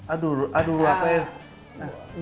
aduh lu apa ya